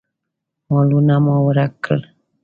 مالونه مو ورک کړل.